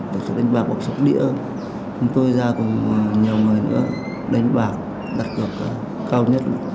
tổ chức đánh bạc bọc sốc đĩa chúng tôi ra cùng nhiều người nữa đánh bạc đặt cực cao nhất